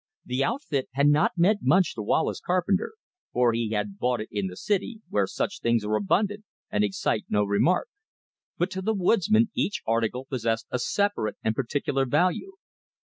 The outfit had not meant much to Wallace Carpenter, for he had bought it in the city, where such things are abundant and excite no remark; but to the woodsman each article possessed a separate and particular value.